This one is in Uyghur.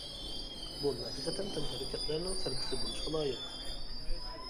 پۇتبول ھەقىقەتەن تەنھەرىكەتلەرنىڭ سەركىسى بولۇشقا لايىق.